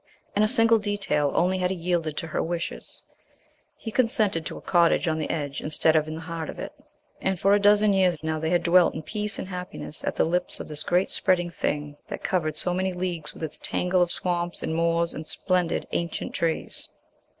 In a single detail only had he yielded to her wishes. He consented to a cottage on the edge, instead of in the heart of it. And for a dozen years now they had dwelt in peace and happiness at the lips of this great spreading thing that covered so many leagues with its tangle of swamps and moors and splendid ancient trees.